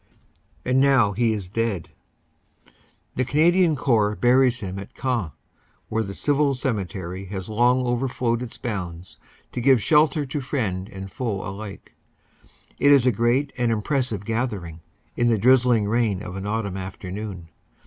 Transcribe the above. And now he is dead. The Canadian Corps buries him at Queant, where the civil cemetery had long overflowed its bounds to give shelter to friend and foe alike. It is a great and impressive gathering, in the drizzling rain of an autumn afternoon.